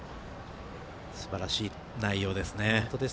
すばらしい内容ですね。